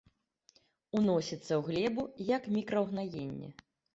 Уносіцца ў глебу як мікраўгнаенне.